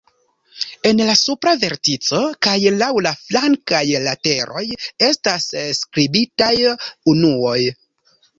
En la supra vertico kaj laŭ la flankaj lateroj estas skribitaj unuoj.